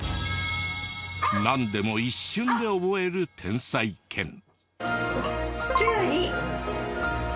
なんでも一瞬で覚える天才犬。